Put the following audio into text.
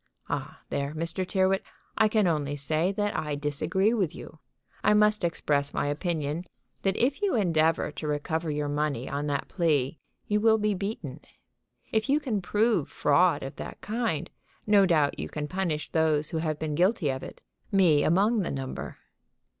"Ah, there, Mr. Tyrrwhit, I can only say, that I disagree with you. I must express my opinion that if you endeavor to recover your money on that plea you will be beaten. If you can prove fraud of that kind, no doubt you can punish those who have been guilty of it, me among the number."